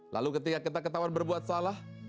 lalu ketika kita ketahuan berbuat salah